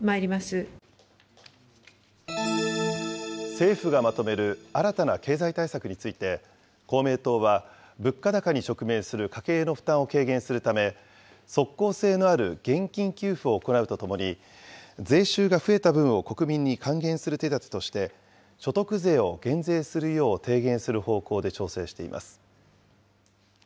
政府がまとめる新たな経済対策について、公明党は物価高に直面する家計の負担を軽減するため、即効性のある現金給付を行うとともに、税収が増えた分を国民に還元する手だてとして、所得税を減税するよう提言する方向で調整しています。